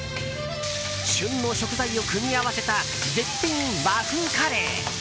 旬の食材を組み合わせた絶品和風カレー！